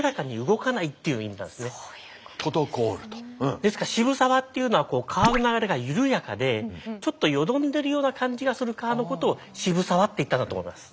ですから渋沢っていうのは川の流れが緩やかでちょっとよどんでるような感じがする川のことを渋沢って言ったんだと思います。